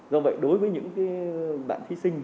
do vậy đối với những cái bạn thí sinh